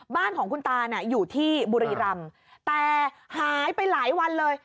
บ้านของคุณตาน่ะอยู่ที่บุรีรำแต่หายไปหลายวันเลย